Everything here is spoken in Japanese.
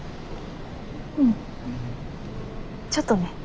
うんちょっとね。